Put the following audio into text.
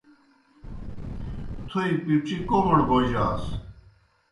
تھوئے پِڇِی کوْمَڑ بوجاسوْ۔